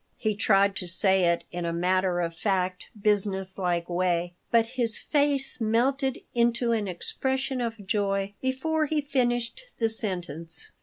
He tried to say it in a matter of fact, business like way, but his face melted into an expression of joy before he finished the sentence.